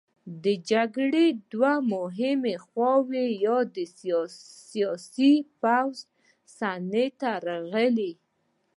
د جګړې دوه مهمې خواوې د سیاسي او پوځي صحنې ته راغلې.